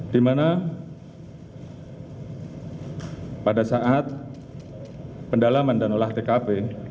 di mana pada saat pendalaman dan olah tkp